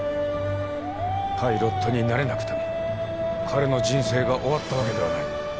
パイロットになれなくても彼の人生が終わったわけではない。